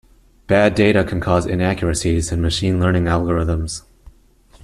Bad data can cause inaccuracies in machine learning algorithms.